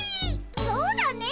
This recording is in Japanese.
そうだね。